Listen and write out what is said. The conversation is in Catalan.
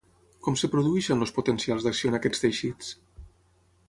Com es produeixen els potencials d'acció en aquests teixits?